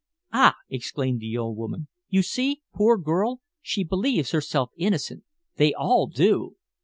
"Ah!" exclaimed the old woman. "You see, poor girl, she believes herself innocent! They all do."